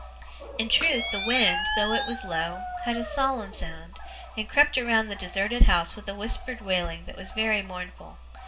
In truth, the wind, though it was low, had a solemn sound, and crept around the deserted house with a whispered wailing that was very mournful.